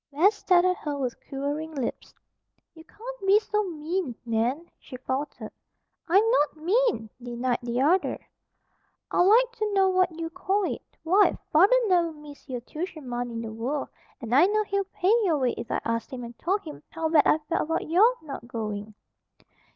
Bess stared at her with quivering lips. "You can't be so mean, Nan," she faltered. "I'm not mean!" denied the other. "I'd like to know what you call it? Why, father'd never miss your tuition money in the world. And I know he'd pay your way if I asked him and told him how bad I felt about your not going."